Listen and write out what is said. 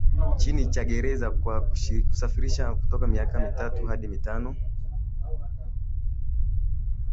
chini cha gerezani kwa kusafirisha kutoka miaka mitatu hadi mitano